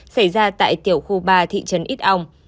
xảy ra tại tiểu khu ba thị trấn ít âu